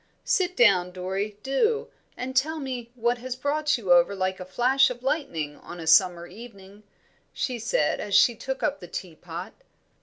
"Sit down, Dorrie, do, and tell me what has brought you over like a flash of lightning on a summer evening," she said, as she took up the tea pot.